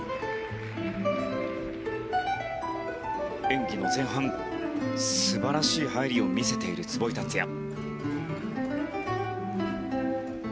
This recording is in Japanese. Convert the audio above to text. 演技の前半素晴らしい入りを見せている壷井達也。